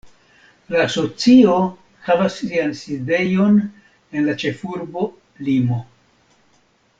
La asocio havas sian sidejon en la ĉefurbo Limo.